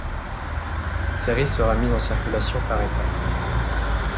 Cette série sera mise en circulation par étapes.